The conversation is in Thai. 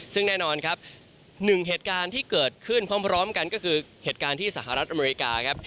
ซึ่งแน่นอนครับหนึ่งเหตุการณ์ที่เกิดขึ้นพร้อมกันก็คือเหตุการณ์ที่สหรัฐอเมริกาครับ